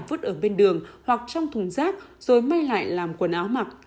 vứt ở bên đường hoặc trong thùng rác rồi may lại làm quần áo mặc